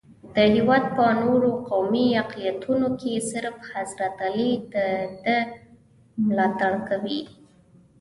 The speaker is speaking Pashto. د هېواد په نورو قومي اقلیتونو کې صرف حضرت علي دده ملاتړ کوي.